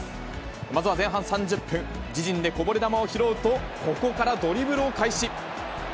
まずは前半３０分、自陣でこぼれ球を拾うと、ここからドリブルを開始。